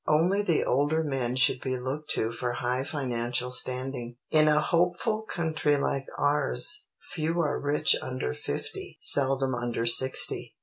_ Only the older men should be looked to for high financial standing. In a hopeful country like ours, few are rich under fifty, seldom under sixty.